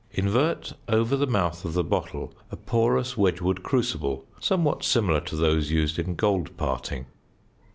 Invert over the mouth of the bottle a porous Wedgwood crucible, somewhat similar to those used in gold parting.